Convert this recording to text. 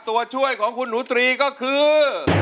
ตัวช่วยของคุณหนูตรีก็คือ